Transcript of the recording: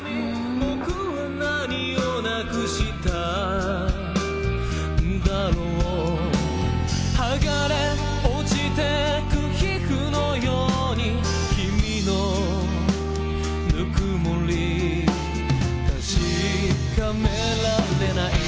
「僕は何をなくしたんだろう」「はがれ落ちてく皮膚のように君のぬくもり確かめられない」